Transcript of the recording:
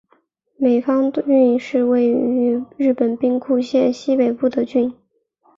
美方郡是位于日本兵库县西北部的郡。